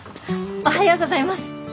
おはようございます。